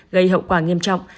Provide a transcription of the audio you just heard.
gây hậu quả nghiêm trọng